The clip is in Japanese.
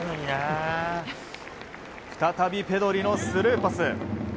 再びペドリのスルーパス。